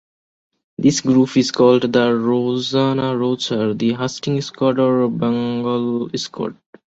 This group is called by Rosane Rocher the "Hastings squad" or "Bengal squad".